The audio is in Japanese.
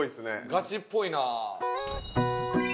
ガチっぽいな。